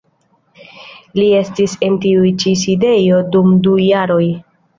Li estis en tiu ĉi sidejo dum du jaroj.